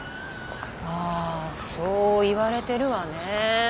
ああそういわれてるわね。